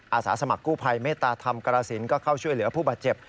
อาสาสมัครกู้ภัยเมตตาธรรมกรสินก็เข้าช่วยเหลือผู้บาดเจ็บ